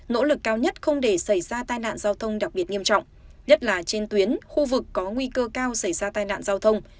nỗ lực cao nhất không để xảy ra tai nạn giao thông đặc biệt nghiêm trọng nhất là trên tuyến khu vực có nguy cơ cao xảy ra tai nạn giao thông